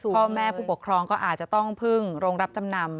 พ่อแม่ผู้ปกครองก็อาจจะต้องพึ่งโรงรับจำนำ